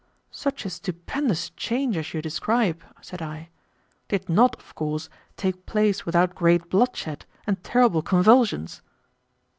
"Such a stupendous change as you describe," said I, "did not, of course, take place without great bloodshed and terrible convulsions."